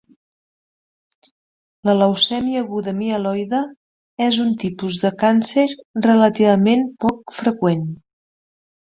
La leucèmia aguda mieloide és un tipus de càncer relativament poc freqüent.